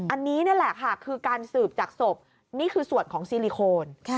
อันนี้นี่แหละค่ะคือการสืบจากศพนี่คือส่วนของซีลิโคน